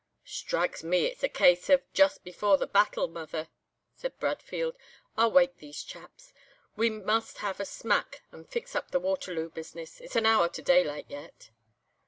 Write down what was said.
"'Strikes me it's a case of "Just before the battle, mother,"' said Bradfield. 'I'll wake these chaps. We must have a snack and fix up the Waterloo business. It's an hour to daylight yet.